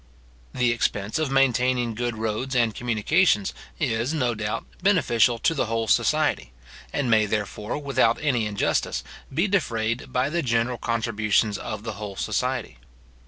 The expense of maintaining good roads and communications is, no doubt, beneficial to the whole society, and may, therefore, without any injustice, be defrayed by the general contributions of the whole society.